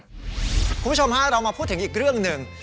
คุณผู้ชมฮะเรามาพูดถึงอีกเรื่องหนึ่ง